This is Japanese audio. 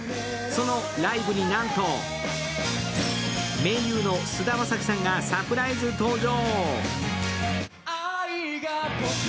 そのライブになんと盟友の菅田将暉さんがサプライズ登場。